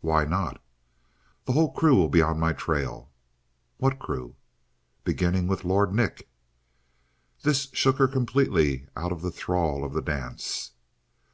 "Why not?" "The whole crew will be on my trail." "What crew?" "Beginning with Lord Nick!" This shook her completely out of the thrall of the dance.